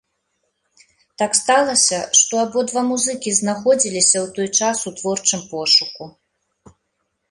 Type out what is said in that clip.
Так сталася, што абодва музыкі знаходзіліся ў той час у творчым пошуку.